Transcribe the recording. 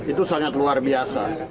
itu sangat luar biasa